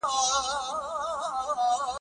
د مڼې د بوی خواږه